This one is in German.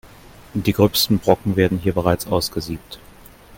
Die gröbsten Brocken werden hier bereits ausgesiebt.